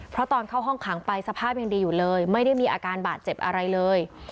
เพราะตอนเข้าห้องขังไปสภาพยังดีอยู่เลยไม่ได้มีอาการบาดเจ็บอะไรเลย